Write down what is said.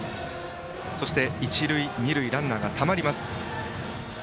そして、一塁二塁とランナーがたまりました。